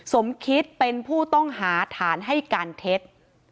สมคิดเป็นผู้ต้องหาฐานให้การเท็จ